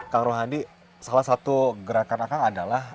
pak ruhandi salah satu gerakan anda adalah